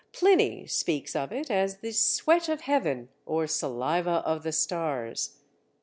Pliny speaks of it as the "sweat of heaven" or "saliva of the stars."